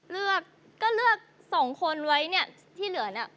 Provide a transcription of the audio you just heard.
เลือกก็เลือกสองคนไว้ที่เหลือนนะ